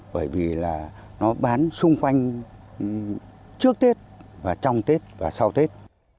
bởi vì là nó bán xung quanh trước tết và trong tết và sau tết